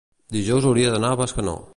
dijous hauria d'anar a Bescanó.